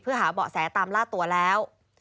เพื่อหาเบาะแสตามล่าตัวแล้ว